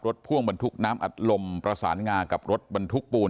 พ่วงบรรทุกน้ำอัดลมประสานงากับรถบรรทุกปูน